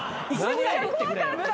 怖かった。